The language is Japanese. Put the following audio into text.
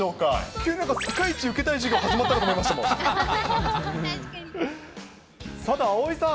急になんか世界一受けたい授業、始まったのかと思いましたもん。